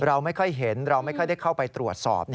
เราไม่ค่อยเห็นเราไม่ค่อยได้เข้าไปตรวจสอบ